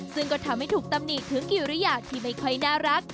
ซึ่งก็ทำให้ถูกตำหนิถึงกิริยาที่ไม่ค่อยน่ารัก